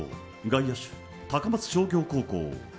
外野手、高松商業高校。